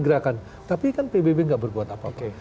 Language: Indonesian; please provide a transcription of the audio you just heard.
gerakan tapi kan pbb tidak berbuat apa apa